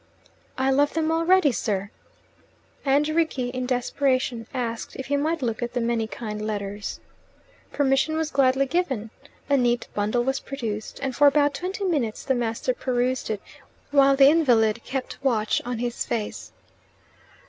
"I love them already, sir." And Rickie, in desperation, asked if he might look at the many kind letters. Permission was gladly given. A neat bundle was produced, and for about twenty minutes the master perused it, while the invalid kept watch on his face.